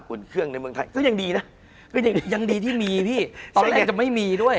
คุณผู้ชมบางท่าอาจจะไม่เข้าใจที่พิเตียร์สาร